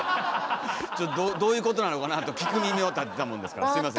ちょっとどういうことなのかなと聞く耳を立てたもんですからすいません。